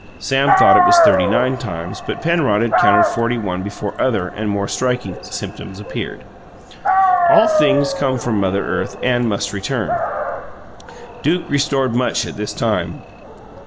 Sam thought it was thirty nine times, but Penrod had counted forty one before other and more striking symptoms appeared. All things come from Mother Earth and must return Duke restored much at this time.